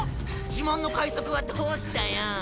自慢の快足はどうしたよ？